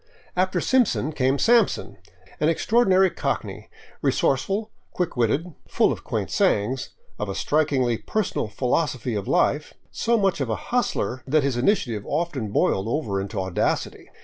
After Simpson came Sampson, an extraordinary cockney, re sourceful, quick witted, full of quaint sayings, of a strikingly per sonal philosophy of life, so much of a " hustler " that his initiative often boiled over into audacity.